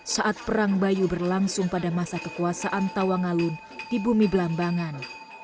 saat perang bayu berlangsung pada masa kekuasaan tawangalun di bumi belambangan